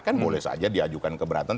kan boleh saja diajukan keberatan